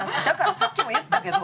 さっきも言ったけど。